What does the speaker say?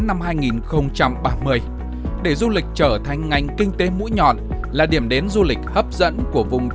năm hai nghìn ba mươi để du lịch trở thành ngành kinh tế mũi nhọn là điểm đến du lịch hấp dẫn của vùng